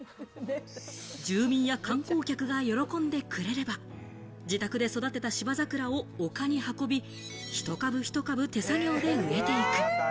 住民や観光客が喜んでくれれば自宅で育てた芝桜を丘に運び、一株一株、手作業で植えていく。